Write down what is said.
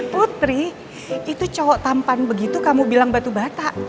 putri itu cowok tampan begitu kamu bilang batu bata